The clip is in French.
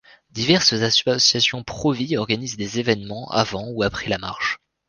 Diverses associations pro-vie organisent des événements avant ou après la Marche.